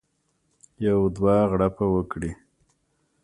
یو دوه غړپه وکړي.